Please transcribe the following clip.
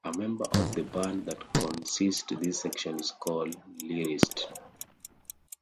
A member of the band that consist this section is called a lyrist.